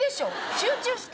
集中して。